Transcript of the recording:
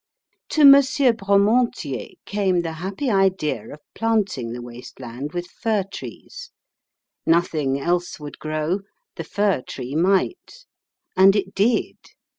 To M. Bremontier came the happy idea of planting the waste land with fir trees. Nothing else would grow, the fir tree might. And it did.